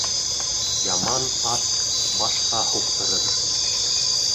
Яман ат башҡа һуҡтырыр